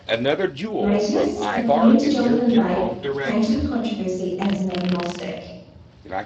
Matus, according to Jonathan Bate, came to the controversy as an agnostic.